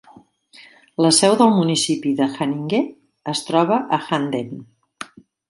La seu del municipi de Haninge es troba a Handen.